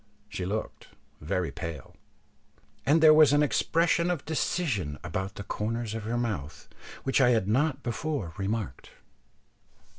She looked very pale, and there was an expression of decision about the corners of her mouth which I had not before remarked.